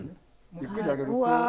ゆっくり上げる。